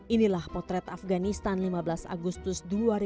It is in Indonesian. inilah potret afganistan lima belas agustus dua ribu dua puluh